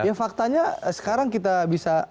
ya faktanya sekarang kita bisa